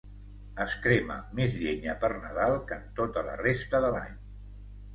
Es crema més llenya per Nadal que en tota la resta de l'any.